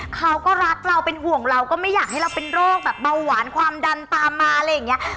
เขาก็รักเราเป็นห่วงเราก็ไม่อยากให้เราเป็นโรคแบบเบาหวานความดันตามมาอะไรอย่างนี้